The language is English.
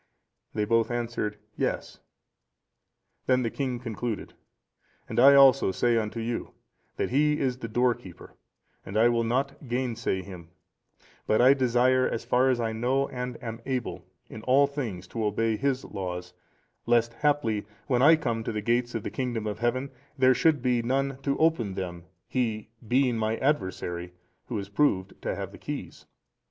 They both answered, "Yes." Then the king concluded, "And I also say unto you, that he is the door keeper, and I will not gainsay him, but I desire, as far as I know and am able, in all things to obey his laws, lest haply when I come to the gates of the kingdom of Heaven, there should be none to open them, he being my adversary who is proved to have the keys."